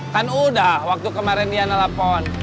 kan udah waktu kemarin dia nelfon